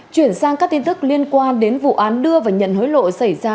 chuyển sang các tin tức liên quan đến vụ án đưa và nhận hối lộ xảy ra